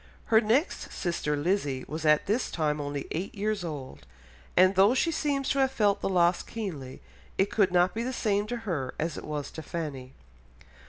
Her next sister Lizzy was at this time only eight years old, and though she seems to have felt the loss keenly, it could not be the same to her as it was to Fanny.